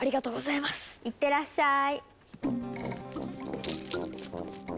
いってらっしゃい！